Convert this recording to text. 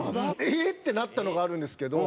ええー！ってなったのがあるんですけど。